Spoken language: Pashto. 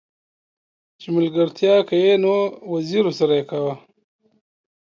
چې ملګرتيا کې نه وزيرو سره يې کاوه.